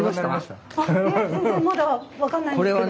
分かんないんですけど。